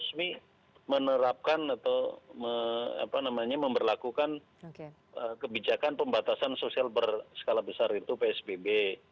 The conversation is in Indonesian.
resmi menerapkan atau memperlakukan kebijakan pembatasan sosial berskala besar itu psbb